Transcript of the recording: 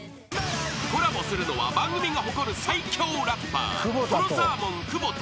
［コラボするのは番組が誇る最凶ラッパーとろサーモン久保田］